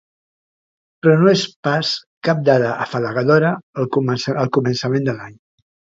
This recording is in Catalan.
Però no és pas cap dada afalagadora al començament de l’any.